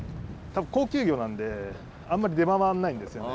高級魚なんであんまり出回んないんですよね。